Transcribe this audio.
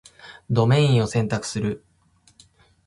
ドメインを選択する